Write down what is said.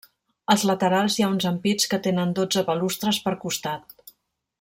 Als laterals hi ha uns ampits que tenen dotze balustres per costat.